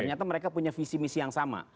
ternyata mereka punya visi misi yang sama